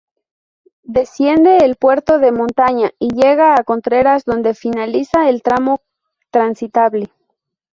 Desciende el puerto de montaña y llega a Contreras donde finaliza el tramo transitable.